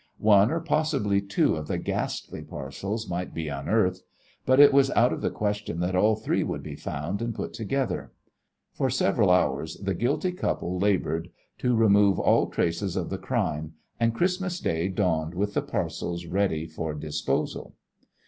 One or possibly two of the ghastly parcels might be unearthed, but it was out of the question that all three would be found and put together. For several hours the guilty couple laboured to remove all traces of the crime, and Christmas Day dawned with the parcels ready for disposal.